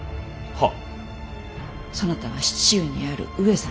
はっ！